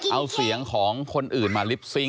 เอาเสียงของคนอื่นมาลิปซิงค